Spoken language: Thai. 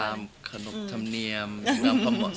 ตามขนกธรรมเนียมพอสมอะไรอย่างนี้ค่ะ